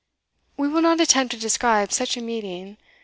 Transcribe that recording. We will not attempt to describe such a meeting.